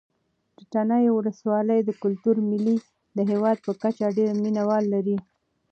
د تڼیو ولسوالۍ کلتوري مېلې د هېواد په کچه ډېر مینه وال لري.